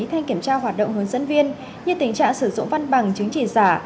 thanh kiểm tra hoạt động hướng dẫn viên như tình trạng sử dụng văn bằng chứng chỉ giả